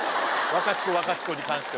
ワカチコワカチコに関しては。